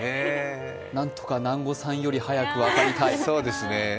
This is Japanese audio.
何とか南後さんより早く分かりたい。